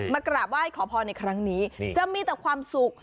กราบไหว้ขอพรในครั้งนี้จะมีแต่ความสุข